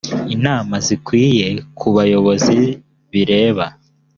inama zikwiye ku bayobozi bireba